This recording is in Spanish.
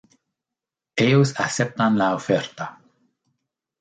Ellos aceptan la oferta.